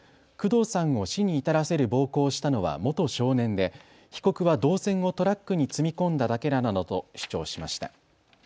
工藤さんを死に至らせる暴行をしたのは元少年で被告は銅線をトラックに積み込んだだけだなどと主張しました。